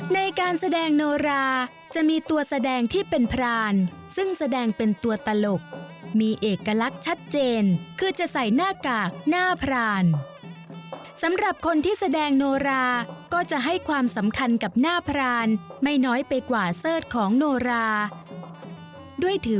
ในการแสดงโนราจะมีตัวแสดงที่เป็นพรานซึ่งแสดงเป็นตัวตลกมีเอกลักษณ์ชัดเจนคือจะใส่หน้ากากหน้าพรานสำหรับคนที่แสดงโนราก็จะให้ความสำคัญกับหน้าพรานไม่น้อยไปกว่าเสิร์ธของโนราด้วยถือ